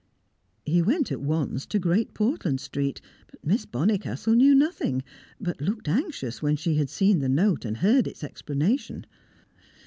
He went at once to Great Portland Street. Miss Bonnicastle knew nothing, but looked anxious when she had seen the note and heard its explanation.